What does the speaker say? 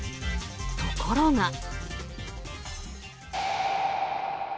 ところが。